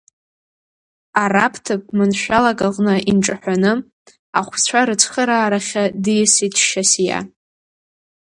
Араԥ ҭыԥ маншәалак аҟны инҿаҳәаны ахәцәа рыцхыраарахьы диасит Шьасиа.